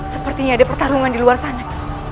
sepertinya ada pertarungan di luar sana